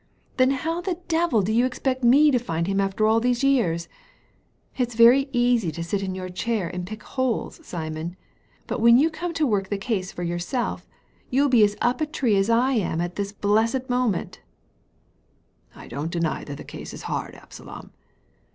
Then how the devil do you expect me to find him after all these years ? It's very easy to sit in your chair and pick holes, Simon, but when you come to work the case for yourself, you'll be as up a tree as I am at this blessed moment" I don't deny that the case is hard, Absalom."